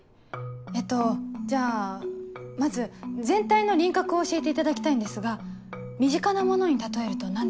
えっとじゃあまず全体の輪郭を教えていただきたいんですが身近なものに例えると何でしょうか？